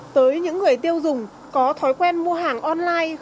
tới những người tiêu dùng có thói quen mua hàng online